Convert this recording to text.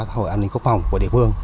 và hội an ninh cấp phòng của địa phương